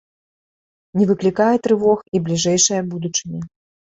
Не выклікае трывог і бліжэйшая будучыня.